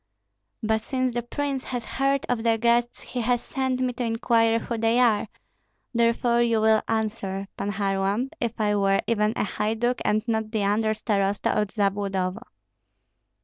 But since the prince has heard of the guests, he has sent me to inquire who they are; therefore you will answer, Pan Kharlamp, if I were even a haiduk and not the under starosta of Zabludovo."